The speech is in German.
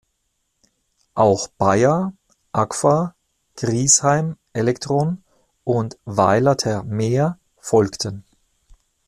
Auch Bayer, Agfa, Griesheim Elektron und "Weiler-ter-Meer" folgten.